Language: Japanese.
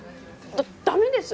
ダダメです！